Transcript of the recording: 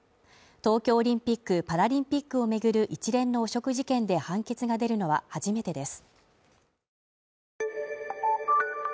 東京オリンピック・パラリンピックを巡る一連の汚職事件で判決が出るのは初めてです。